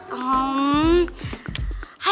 hmm udah gak